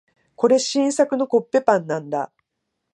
これ、新作のコッペパンなんだ。